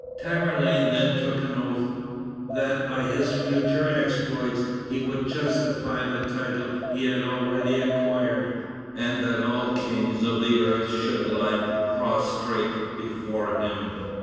Tamerlane then took an oath, that by his future exploits he would justify the title he had already acquired, and that all the kings of the earth should yet lie prostrate before him.